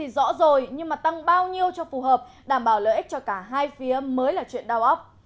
rõ rồi nhưng tăng bao nhiêu cho phù hợp đảm bảo lợi ích cho cả hai phía mới là chuyện đau ốc